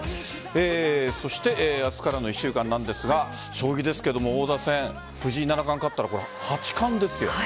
そして明日からの１週間ですが将棋ですが、王座戦藤井七冠、勝ったら八冠ですよ。